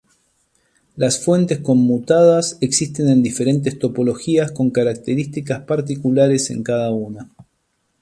Las fuentes conmutadas existen en diferentes topologías con características particulares en cada una